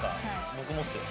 僕もですよ。